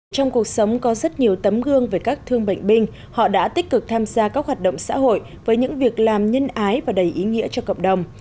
trong cuộc sống có rất nhiều tấm gương về các thương bệnh binh họ đã tích cực tham gia các hoạt động xã hội với những việc làm nhân ái và đầy ý nghĩa cho cộng đồng